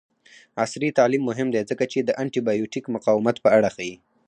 عصري تعلیم مهم دی ځکه چې د انټي بایوټیک مقاومت په اړه ښيي.